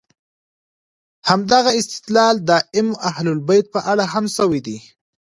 همدغه استدلال د ائمه اهل بیت په اړه هم شوی دی.